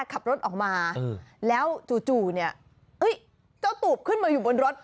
ขับรถออกมาแล้วจู่เนี่ยเจ้าตูบขึ้นมาอยู่บนรถ